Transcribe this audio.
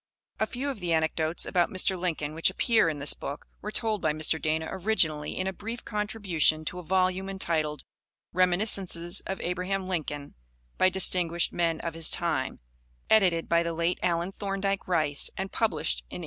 A few of the anecdotes about Mr. Lincoln which appear in this book were told by Mr. Dana originally in a brief contribution to a volume entitled Reminiscences of Abraham Lincoln by Distinguished Men of his Time, edited by the late Allen Thorndike Rice, and published in 1886.